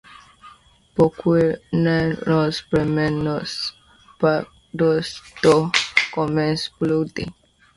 Pourquoi ne nous promenons-nous pas au-dehors comme ce bolide ?